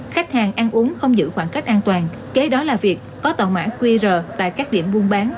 khách hàng ăn uống không giữ khoảng cách an toàn kế đó là việc có tàu mã qr tại các điểm buôn bán